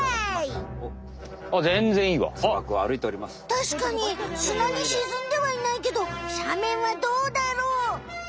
たしかにすなにしずんではいないけどしゃめんはどうだろう？